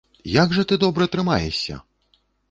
Як жа ты добра трымаешся!